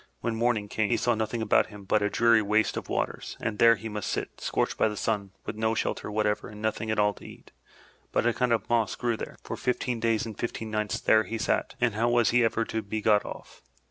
When morning came, he saw nothing about him but a dreary waste of waters, and there he must sit, scorched by the sun, with no shelter whatever and nothing at all to eat but a kind of moss that grew there. For fifteen days and fifteen nights there he sat, and how was he ever to be got off?